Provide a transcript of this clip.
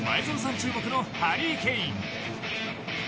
注目のハリー・ケイン。